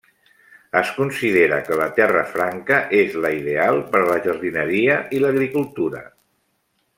Es considera que la terra franca és la ideal per la jardineria i l'agricultura.